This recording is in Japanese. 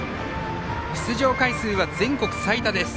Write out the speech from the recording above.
出場回数は全国最多です。